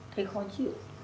thấy khó chịu